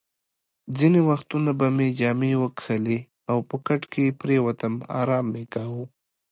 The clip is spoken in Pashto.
ځینې وختونه به مې جامې وکښلې او په کټ کې پرېوتم، ارام مې کاوه.